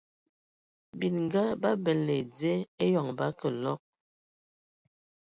Bininga ba bələna ai dze eyoŋ ba kəlɔg.